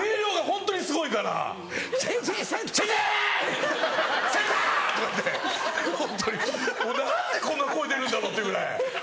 ホントにもう何でこんな声出るんだろうっていうぐらい。